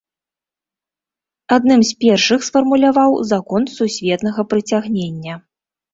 Адным з першых сфармуляваў закон сусветнага прыцягнення.